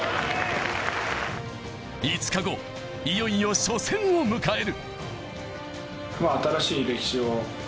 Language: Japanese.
５日後、いよいよ初戦を迎える。